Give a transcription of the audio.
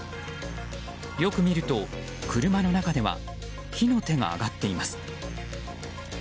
よく見ると、車の中では火の手が上がっています。